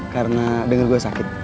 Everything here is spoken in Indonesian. karena denger gue sakit